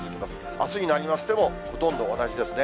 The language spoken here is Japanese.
あすになりましても、ほとんど同じですね。